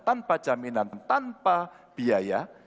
tanpa jaminan tanpa biaya